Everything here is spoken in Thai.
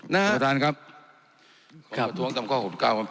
นะครับประธานครับผมประท้วงตำข้อ๖๙ครับ